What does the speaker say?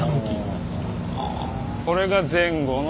これが前後の。